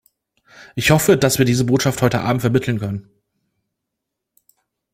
Ich hoffe, dass wir diese Botschaft heute Abend vermitteln können.